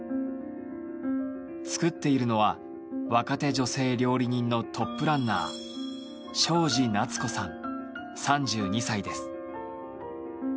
作っているのは若手女性料理人のトップランナー庄司夏子さん、３２歳です。